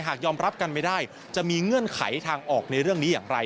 หากยอมรับกันไม่ได้จะมีเงื่อนไขทางออกในเรื่องนี้อย่างไร